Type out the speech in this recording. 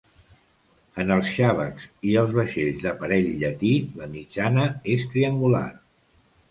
En els xabecs i els vaixells d'aparell llatí la mitjana és triangular.